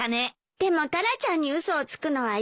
でもタラちゃんに嘘をつくのは嫌だわ。